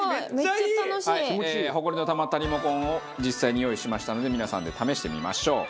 ホコリのたまったリモコンを実際に用意しましたので皆さんで試してみましょう。